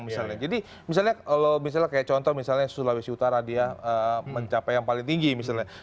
misalnya jadi misalnya kalau misalnya kayak contoh misalnya sulawesi utara dia mencapai yang paling tinggi misalnya